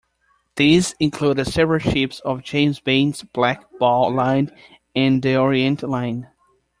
These included several ships of James Baines' Black Ball Line and the Orient Line.